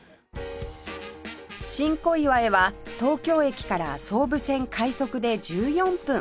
新小岩へは東京駅から総武線快速で１４分